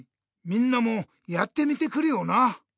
みんなもやってみてくれよな！